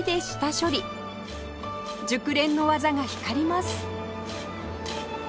熟練の技が光ります